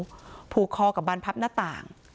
สั้นสีเลือดหมูพูดคอกับบานพับหน้าต่าง